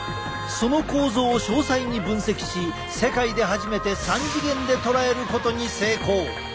その構造を詳細に分析し世界で初めて３次元で捉えることに成功！